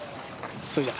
それじゃ。